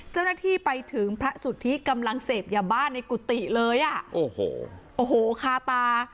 เจ้าหน้าที่ไปถึงพระสุทธิกำลังเสพยาบ้าในกุฏิเลยอ่ะโอ้โหโอ้โหคาตา